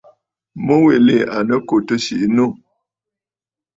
Mu yìli à nɨ kù tɨ̀ sìʼì nû.